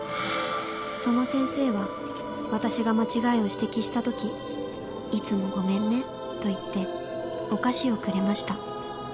その先生は私が間違いを指摘した時いつもごめんねと言ってお菓子をくれました。